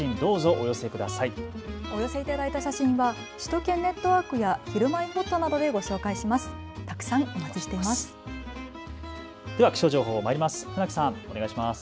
お寄せいただいた写真は首都圏ネットワークやひるまえほっとなどで紹介します。